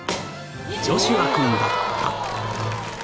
［ジョシュア君だった］